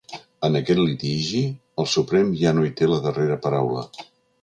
En aquest litigi, el Suprem ja no hi té la darrera paraula.